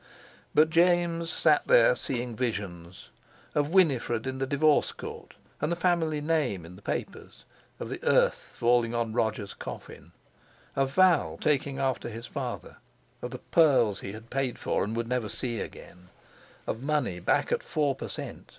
But James sat there seeing visions—of Winifred in the Divorce Court, and the family name in the papers; of the earth falling on Roger's coffin; of Val taking after his father; of the pearls he had paid for and would never see again; of money back at four per cent.